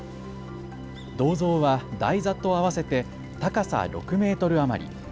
銅像は台座と合わせて高さ６メートル余り。